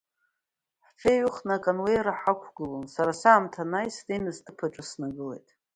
Ҳҽеиҩхны акануеира ҳақугылон, сара саамҭа анааи, снеины сҭыԥ аҿы снагылеит.